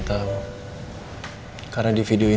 sudah bareng sama mama